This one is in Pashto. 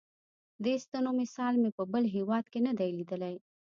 دې ستنو مثال مې په بل هېواد کې نه دی لیدلی.